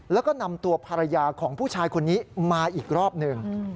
แล้วก็นำตัวภรรยาของผู้ชายคนนี้มาอีกรอบหนึ่ง